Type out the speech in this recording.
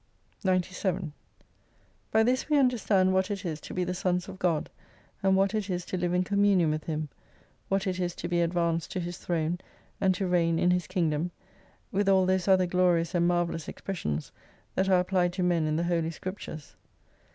23+ 97 By this we understand what it is to be the Sons of God, and what it is to live in communion with Him, what it is to be advanced to His Throne, and to reign in His Kingdom, with all those other glorious and marvellous expressions that are applied to men in the Holy Scriptures.